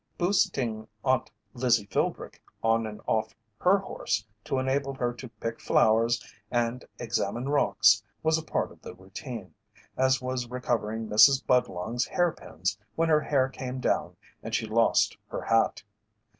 Boosting Aunt Lizzie Philbrick on and off her horse to enable her to pick flowers and examine rocks was a part of the routine, as was recovering Mrs. Budlong's hairpins when her hair came down and she lost her hat.